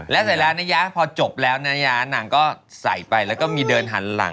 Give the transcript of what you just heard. แล้วเสร็จแล้วนะยะพอจบแล้วนะยะนางก็ใส่ไปแล้วก็มีเดินหันหลัง